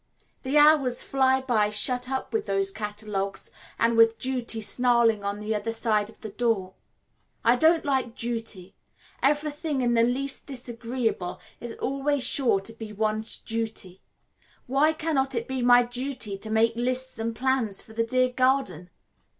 The hours fly by shut up with those catalogues and with Duty snarling on the other side of the door. I don't like Duty everything in the least disagreeable is always sure to be one's duty. Why cannot it be my duty to make lists and plans for the dear garden?